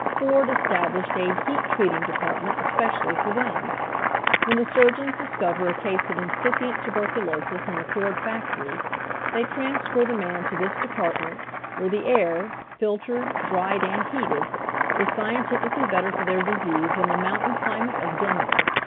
Ford established a "heat treating department" especially for them. When the surgeons discover a case of incipient tuberculosis in the Ford fac tory, they transfer the man to this department, where the air, filtered, dried and heated, is scien tifically better for. their disease than the mountain climate of Denver.